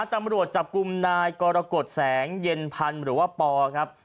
ตำรวจจับกลุ่มนายกรกฎแสงเย็นพันธ์หรือว่าปอครับ